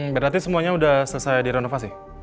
berarti semuanya sudah selesai direnovasi